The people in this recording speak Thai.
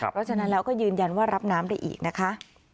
เพราะฉะนั้นแล้วก็ยืนยันว่ารับน้ำได้อีกนะคะ